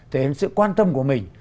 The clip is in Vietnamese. thể hiện sự quan tâm của mình